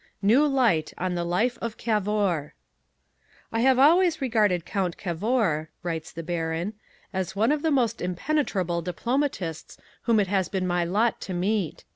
NEW LIGHT ON THE LIFE OF CAVOUR "I have always regarded Count Cavour," writes the Baron, "as one of the most impenetrable diplomatists whom it has been my lot to meet.